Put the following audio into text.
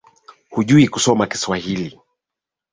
Hujui kusoma Kiswahili.